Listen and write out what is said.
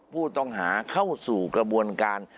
ผู้ต้องหาเข้าสู่กระบวนการ